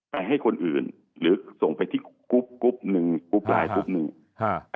ให้คนอื่นหรือส่งไปที่กรุ๊ปกรุ๊ปหนึ่งกรุ๊ปไลน์กรุ๊ปหนึ่งฮะ